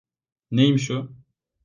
Neymiş o?